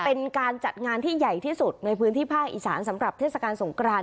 เป็นการจัดงานที่ใหญ่ที่สุดในพื้นที่ภาคอีสานสำหรับเทศกาลสงคราน